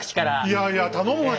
いやいや頼むわ。